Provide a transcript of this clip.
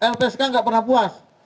lpsk tidak pernah puas